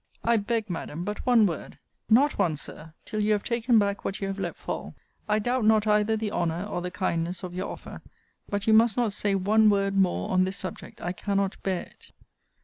I beg, Madam, but one word Not one, Sir, till you have taken back what you have let fall. I doubt not either the honour, or the kindness, of your offer; but you must not say one word more on this subject. I cannot bear it.